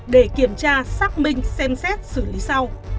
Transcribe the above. để kiểm tra xác minh xem xét xử lý sau